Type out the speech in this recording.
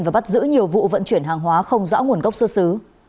và bắt giữ nhiều vụ vận chuyển hàng hóa không rõ nguồn gốc xuất xứ